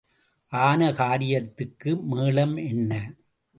ஆன காரியத்துக்கு மேளம் என்ன?